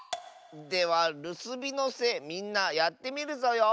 では「るすびのせ」みんなやってみるぞよ。